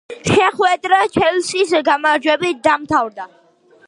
შეხვედრა „ჩელსის“ გამარჯვებით დამთავრდა.